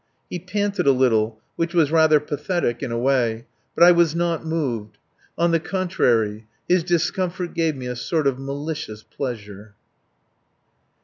He panted a little, which was rather pathetic in a way. But I was not moved. On the contrary. His discomfort gave me a sort of malicious pleasure.